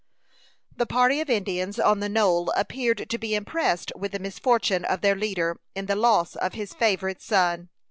The party of Indians on the knoll appeared to be impressed with the misfortune of their leader in the loss of his favorite son.